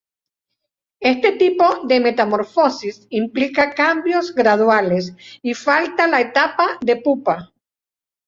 Este tipo de metamorfosis implica cambios graduales y falta la etapa de pupa.